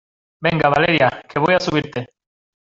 venga, Valeria , que voy a subirte.